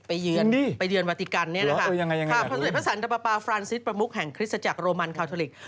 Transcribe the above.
ไปเยือนวัติกันเนี่ยค่ะพระสันตปปาฟรานซิสประมุกแห่งคริสตจากโรมันคาทอลิก